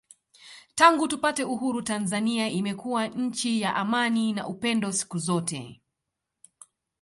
Tangu tupate Uhuru Tanzania imekuwa nchi ya amani na upendo siku zote